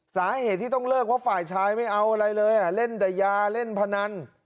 สาเหตุที่ต้องเลิกเพราะฝ่ายชายไม่เอาอะไรเลยเล่นแต่ยาเล่นพนัน